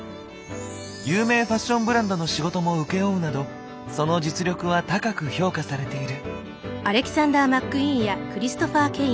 有名ファッションブランドの仕事も請け負うなどその実力は高く評価されている。